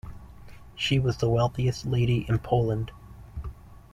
She was the wealthiest lady in Poland.